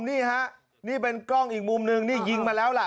นี่ฮะนี่เป็นกล้องอีกมุมนึงนี่ยิงมาแล้วล่ะ